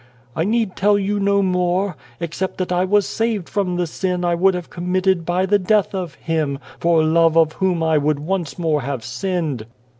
" I need tell you no more, except that I was saved from the sin I would have committed by the death of him, for love of whom I would once more have sinned.